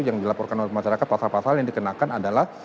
yang dilaporkan oleh masyarakat pasal pasal yang dikenakan adalah